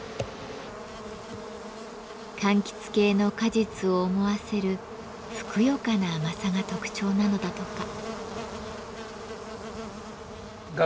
かんきつ系の果実を思わせるふくよかな甘さが特徴なのだとか。